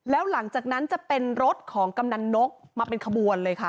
แล้วหลังจากนั้นจะเป็นรถของกำนันนกมาเป็นขบวนเลยค่ะ